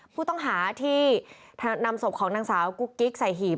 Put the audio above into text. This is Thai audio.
ผู้ต้องหาที่นำศพของนางสาวกุ๊กกิ๊กใส่หีบ